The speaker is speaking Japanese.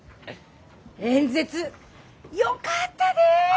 演説よかったで！